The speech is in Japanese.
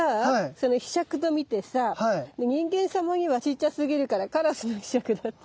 その柄杓と見てさで人間様にはちっちゃすぎるからカラスの柄杓だって。